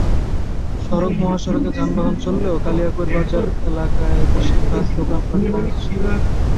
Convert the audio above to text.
সড়ক-মহাসড়কে যানবাহন চললেও কালিয়াকৈর বাজার এলাকায় বেশির ভাগ দোকানপাট বন্ধ ছিল।